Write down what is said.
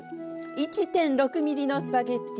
１．６ｍｍのスパゲッティ。